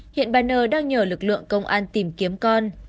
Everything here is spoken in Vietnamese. hiện bà n đang nhờ lực lượng công an tìm kiếm con